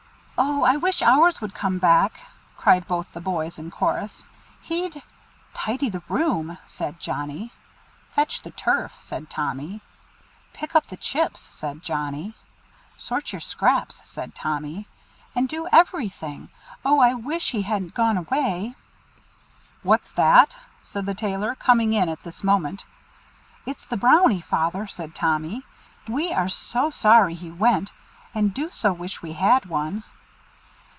"Oh! I wish ours would come back!" cried both the boys in chorus. "He'd "tidy the room," said Johnnie; "fetch the turf," said Tommy; "pick up the chips," said Johnnie; "sort your scraps," said Tommy; "and do everything. Oh! I wish he hadn't gone away." "What's that?" said the Tailor, coming in at this moment. "It's the Brownie, Father," said Tommy. "We are so sorry he went, and do so wish we had one."